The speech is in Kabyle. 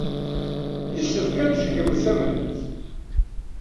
Yessefk ad tgemt tamhelt.